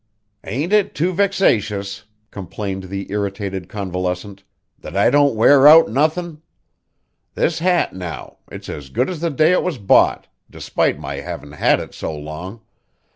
"Ain't it too vexatious," complained the irritated convalescent, "that I don't wear out nothin'? This hat, now it's as good as the day it was bought, despite my havin' had it so long.